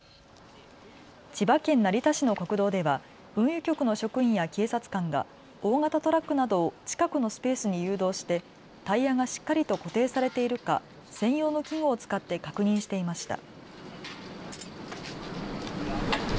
千葉県成田市の国道では運輸局の職員や警察官が大型トラックなどを近くのスペースに誘導してタイヤがしっかりと固定されているか専用の器具を使って確認していました。